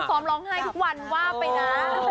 พอสอมร้องไห้ทุกวันว่าไปแล้ว